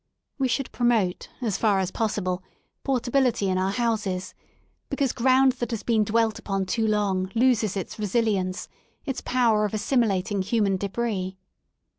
We should promote, as far as possible, portability in our houses, because ground that has been dwelt upon too long loses its resilience, its power of assimilating human debris.